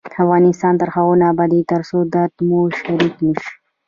افغانستان تر هغو نه ابادیږي، ترڅو درد مو شریک نشي.